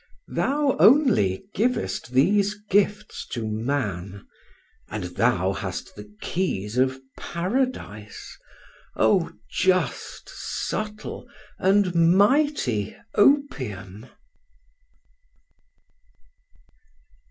Thou only givest these gifts to man; and thou hast the keys of Paradise, oh, just, subtle, and mighty opium!